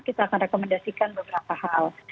kita akan rekomendasikan beberapa hal